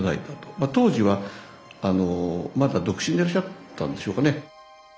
まあ当時はまだ独身でいらっしゃったんでしょうかね。